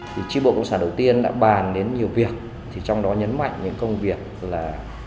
tri bộ cộng sản đầu tiên đã bàn đến nhiều việc trong đó nhấn mạnh những công việc là